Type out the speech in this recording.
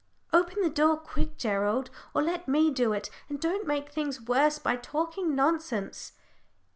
"Open the door quick, Gerald, or let me do it, and don't make things worse by talking nonsense."